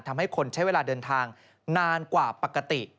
ทำให้คนใช้เวลาเดินทางนานกว่าปกติ